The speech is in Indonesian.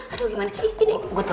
aku pengen punggungosi